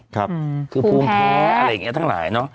คือภูมิแพ้อะไรอย่างนี้ทั้งหลายเนอะ